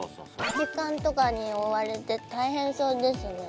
時間とかに追われて大変そうですね。